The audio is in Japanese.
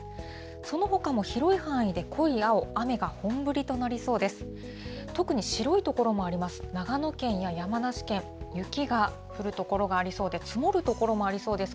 そのほかも広い範囲で濃い青、雨が本降りとなりそうです。